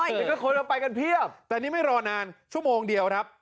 แล้วก็คนเอาไปกันเพียบแต่นี่ไม่รอนานชั่วโมงเดียวครับ